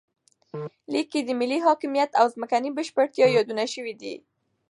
لیک کې د ملي حاکمیت او ځمکنۍ بشپړتیا یادونه شوې.